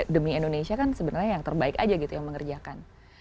demi indonesia kan sebenarnya yang terbaik aja gitu yang mengerjakan